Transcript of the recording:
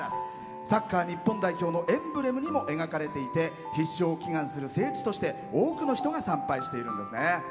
サッカー日本代表のエンブレムにも描かれていて必勝を祈願する聖地として多くの人が参拝してるんですね。